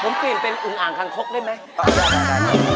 ผมเปลี่ยนเป็นอึงอ่างคังคกได้ไหม